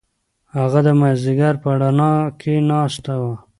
هغه د مازیګر په رڼا کې ناسته وه.